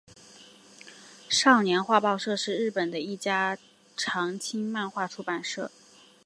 少年画报社是日本的一家长青漫画出版社。